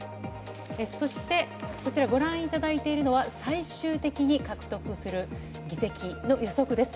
そして、こちらご覧いただいているのは、最終的に獲得する議席の予測です。